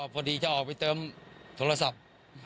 พอดีจะออกไปเติมโทรศัพท์